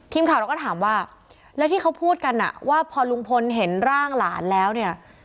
ทีมข่าวเราก็ถามว่าแล้วที่เขาพูดกันอ่ะว่าพอลุงพลเห็นร่างหลานแล้วเนี่ย